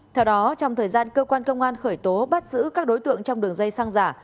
theo đó trong thời gian cơ quan công an khởi tố bắt giữ các đối tượng trong đường dây xăng giả